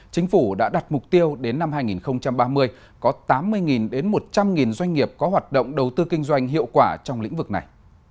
chính phủ đã đặt mục tiêu đến năm hai nghìn ba mươi có tám mươi đến một trăm linh doanh nghiệp có hoạt động đầu tư kinh doanh hiệu quả trong lĩnh vực này